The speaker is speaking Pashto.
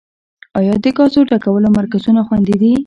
آیا د ګازو ډکولو مرکزونه خوندي دي؟